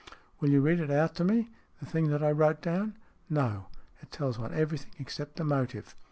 " Will you read it out to me, the thing that I wrote down ?"" No. It tells one everything, except the motive."